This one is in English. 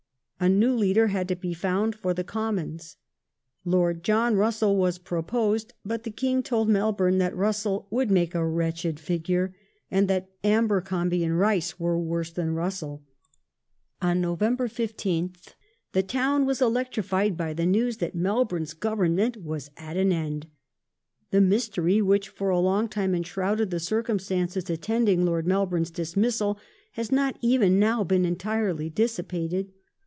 A new leader had to be found for the Commons. Lord John Russell was proposed ; but the King told Melbourne that Russell "would make a wretched figure" and that ''Abercomby and Rice were worse than Russell". On November 15th "the town was electrified by the news that Mel bourne's Government was at an end ". The mystery which for a long time enshrouded the circumstances attending Lord Mel bourne's dismissal has not even now been entirely dissipated.